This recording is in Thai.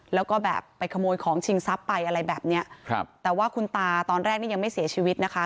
แล้วก็แบบไปขโมยของชิงทรัพย์ไปอะไรแบบเนี้ยครับแต่ว่าคุณตาตอนแรกนี่ยังไม่เสียชีวิตนะคะ